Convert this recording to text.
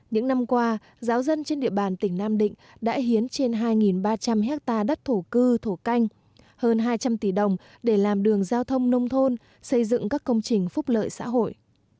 những năm qua giáo dân trên địa bàn tỉnh nam định đã hiến trên hai ba trăm linh hectare đất thổ cư canh hơn hai trăm linh tỷ đồng để làm đường giao thông nông thôn xây dựng các công trình phúc lợi xã hội